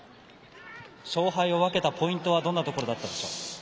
勝敗を分けたポイントはどんなところでしたか。